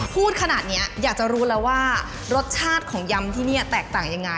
พูดขนาดนี้อยากจะรู้แล้วว่ารสชาติของยำที่นี่แตกต่างยังไง